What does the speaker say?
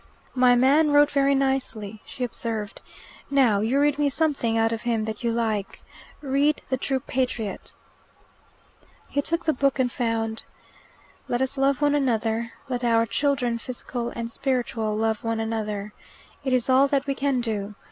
"My man wrote very nicely," she observed. "Now, you read me something out of him that you like. Read 'The True Patriot.'" He took the book and found: "Let us love one another. Let our children, physical and spiritual, love one another. It is all that we can do.